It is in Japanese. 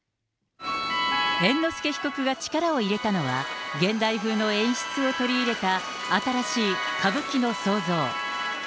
猿之助被告が力を入れたのは、現代風の演出を取り入れた新しい歌舞伎の創造。